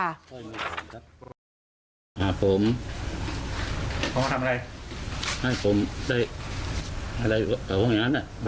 หาผมผมจะทำอะไรให้ผมได้อะไรกับเขาอย่างนั้นอะ